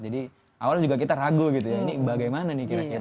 jadi awal juga kita ragu gitu ya ini bagaimana nih kira kira